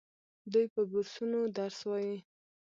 دوی په بورسونو درس وايي.